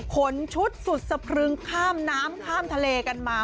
ชุดสุดสะพรึงข้ามน้ำข้ามทะเลกันมา